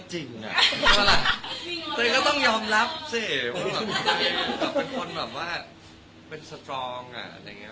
จริงจัง